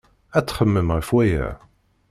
Ad txemmem ɣef waya.